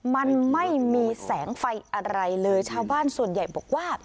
มันไม่มีแสงไฟอะไรเลยชาวบ้านส่วนใหญ่บอกว่า